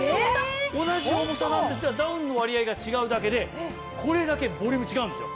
同じ重さなんですけどダウンの割合が違うだけでこれだけボリューム違うんですよ。